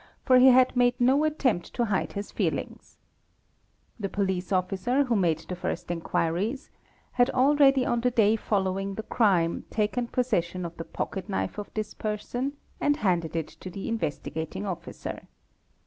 — The police officer who made the first inquiries had already on the day following the crime taken possession of the pocket knife of this person and handed it to the Investigating Officer.